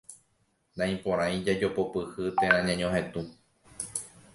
Naiporãi jajopopyhy térã ñañohetũ.